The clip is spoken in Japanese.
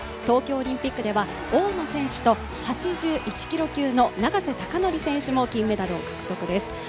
東京オリンピックでは大野選手と８１キロ級の永瀬貴規選手も金メダルを獲得です。